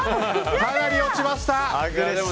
かなり落ちました！